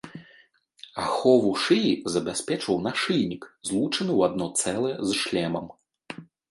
Ахову шыі забяспечваў нашыйнік, злучаны ў адно цэлае з шлемам.